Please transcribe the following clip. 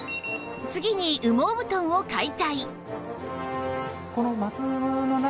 次に羽毛布団を解体